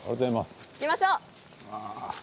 行きましょう。